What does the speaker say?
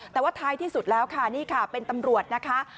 แต่ว่าท้ายที่สุดแล้วค่ะนี่ค่ะเป็นตำรวจนะคะ